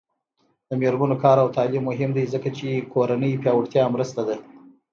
د میرمنو کار او تعلیم مهم دی ځکه چې کورنۍ پیاوړتیا مرسته ده.